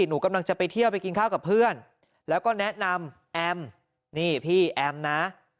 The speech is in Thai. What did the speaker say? หนูกำลังจะไปเที่ยวไปกินข้าวกับเพื่อนแล้วก็แนะนำแอมนี่พี่แอมนะ